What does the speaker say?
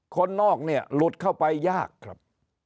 คนนอกเนี่ยหลุดเข้าไปยากครับ